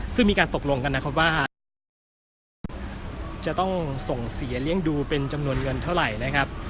ซึ่งมีการตกลงกันนะครับว่าจะต้องส่งเสียเลี้ยงดูเป็นจำนวนเงินเท่าไหร่นะครับ